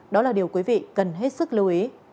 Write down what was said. đó là điều quý vị cần hết sức lưu ý